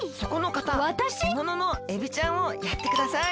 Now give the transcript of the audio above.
わたし？えもののエビちゃんをやってください。